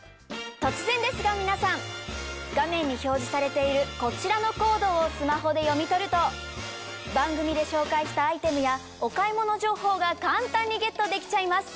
突然ですが皆さん画面に表示されているこちらのコードをスマホで読み取ると番組で紹介したアイテムやお買い物情報が簡単にゲットできちゃいます！